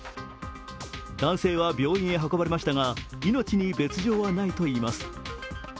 男性は病院へ運ばれましたが命に別状はないといいます。